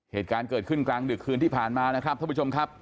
เหตุการณ์เกิดขึ้นกลางดึกคืนที่ผ่านมานะครับท่านผู้ชมครับ